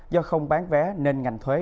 do không bán vé nên ngành thuế